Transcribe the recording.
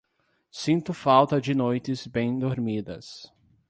Sinto falta de noites bem-dormidas.